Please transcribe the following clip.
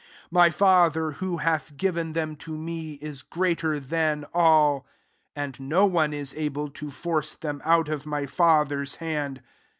29 My Father, who hath given them to me, is greater than all ; and no one is able to force them out of my Father's hand.